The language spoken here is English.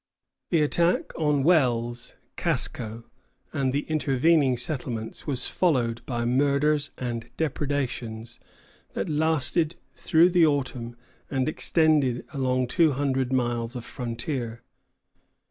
The attack on Wells, Casco, and the intervening settlements was followed by murders and depredations that lasted through the autumn and extended along two hundred miles of frontier.